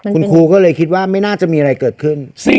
คุณครูก็เลยคิดว่าไม่น่าจะมีอะไรเกิดขึ้น